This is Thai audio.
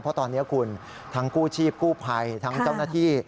เพราะตอนนี้คุณทั้งกู้ชีพกู้ภัยทั้งเจ้าหน้าที่